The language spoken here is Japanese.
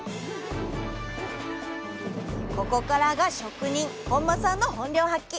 ここからが職人本間さんの本領発揮。